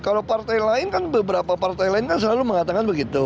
kalau partai lain kan beberapa partai lain kan selalu mengatakan begitu